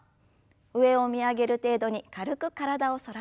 上を見上げる程度に軽く体を反らせます。